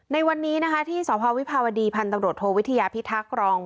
ในวันนี้นะคะที่สพวิภาวดีพันธุ์ตำรวจโทวิทยาพิทักษ์รอง